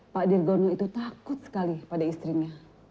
pak dirgono itu takut sekali pada istrinya